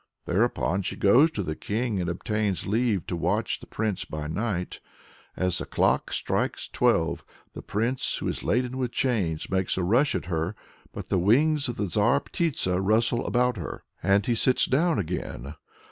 Thereupon she goes to the king and obtains leave to watch the prince by night. As the clock strikes twelve the prince, who is laden with chains, makes a rush at her; but the wings of the Zhar Ptitsa rustle around her, and he sits down again.